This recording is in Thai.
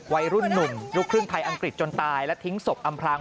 วัยรุ่นหนุ่มลูกครึ่งไทยอังกฤษจนตายและทิ้งศพอำพลัง